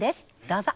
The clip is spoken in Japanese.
どうぞ。